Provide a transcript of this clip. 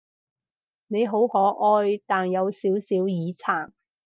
你好可愛，但有少少耳殘